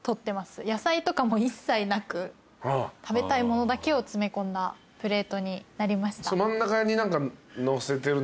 野菜とかも一切なく食べたいものだけを詰め込んだプレートになりました。